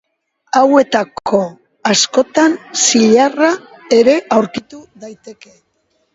Hauetako askotan zilarra ere aurki daiteke.